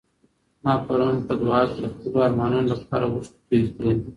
ما پرون په دعا کي د خپلو ارمانونو لپاره اوښکې تویې کړې.